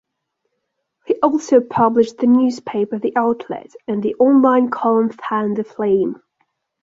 He also published the newspaper "The Outlet" and the online column "Fan the Flame".